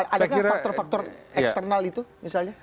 adakah faktor faktor eksternal itu misalnya